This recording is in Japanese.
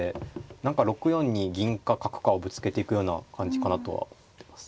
何か６四に銀か角かをぶつけていくような感じかなとは思ってます。